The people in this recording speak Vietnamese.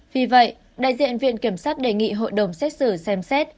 vì vậy đại diện viện kiểm sát đề nghị hội đồng xét xử xem xét